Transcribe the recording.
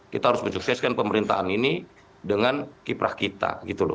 kita harus mensukseskan pemerintahan ini dengan kiprah kita